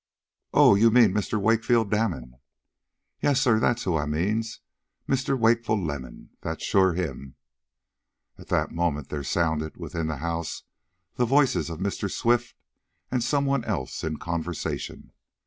"Oh, you mean Mr. Wakefield Damon." "Yais, sah, dat's who I done means. Mr. Wakefull Lemon dat's sho' him." At that moment there sounded, within the house, the voices of Mr. Swift, and some one else in conversation.